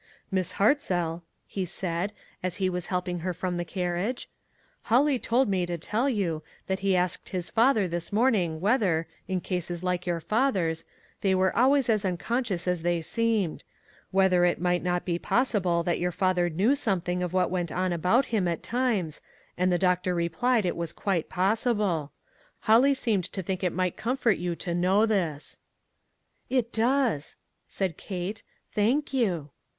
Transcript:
" Miss Hartzell," he said, as he was help ing her from the carriage, "Holly told me to tell you that he asked his father this morning whether, in cases like your father's, they were always as unconscious as they seemed ; whether it might not be possible that your father knew something of what went on about him, at times, and the doc tor replied it was quite possible. Holly seemed to think it might comfort you to know this." "It does," said Kate; "thank you."